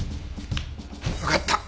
わかった。